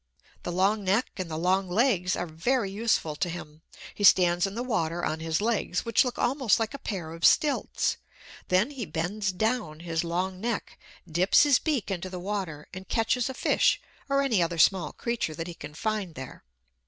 The long neck and the long legs are very useful to him. He stands in the water on his legs, which look almost like a pair of stilts; then he bends down his long neck, dips his beak into the water, and catches a fish or any other small creature that he can find there.